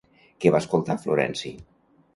Què va escoltar Florenci?